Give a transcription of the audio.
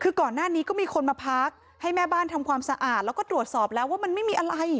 คือก่อนหน้านี้ก็มีคนมาพักให้แม่บ้านทำความสะอาดแล้วก็ตรวจสอบแล้วว่ามันไม่มีอะไร